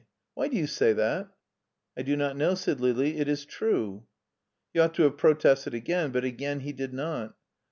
Why do you say that?^* I do not know,*' said Lili. " It is true/' He ought to have protested again, but again he did not.